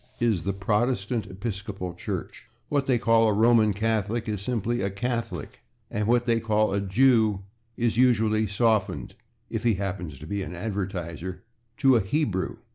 is the /Protestant Episcopal/ Church, what they call a /Roman Catholic/ is simply a /Catholic/, and what they call a /Jew/ is usually softened (if he happens to be an advertiser) to a /Hebrew